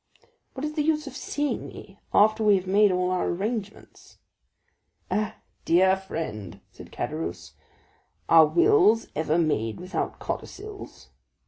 "What is the use of seeing me after we have made all our arrangements?" "Eh, dear friend," said Caderousse, "are wills ever made without codicils?